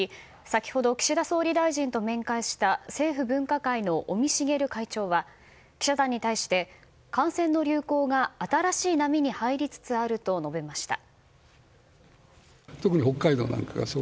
先ほど岸田総理大臣と面会した政府分科会の尾身茂会長は記者団に対して感染の流行が新しい波に入りつつあると述べました。